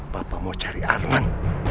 bapak mau cari arman